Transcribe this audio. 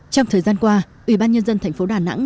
trong thời gian qua ủy ban nhân dân thành phố đà nẵng